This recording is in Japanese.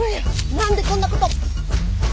何でこんなこと！